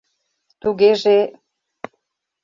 Тугеже...